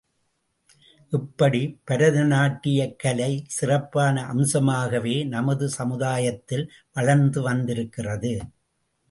இப்படி, பரதநாட்டியக் கலை சிறப்பான அம்சமாகவே நமது சமுதாயத்தில் வளர்ந்து வந்திருக்கிறது.